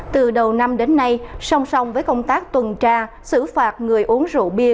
từ đầu năm đến nay song song với công tác tuần tra xử phạt người uống rượu bia